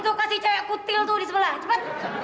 itu dikasih ke cewek kutil tuh di sebelah cepet